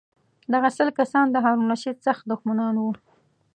دغه سل کسان د هارون الرشید سخت دښمنان وو.